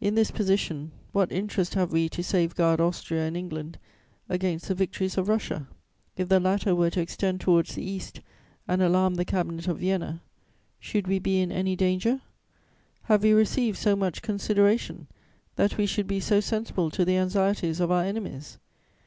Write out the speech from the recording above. "In this position, what interest have we to safeguard Austria and England against the victories of Russia? If the latter were to extend towards the East and alarm the Cabinet of Vienna, should we be in any danger? Have we received so much consideration that we should be so sensible to the anxieties of our enemies?